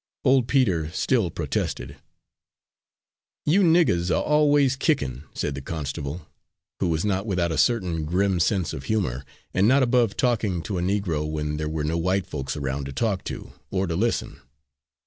Old Peter still protested. "You niggers are always kickin'," said the constable, who was not without a certain grim sense of humour, and not above talking to a Negro when there were no white folks around to talk to, or to listen.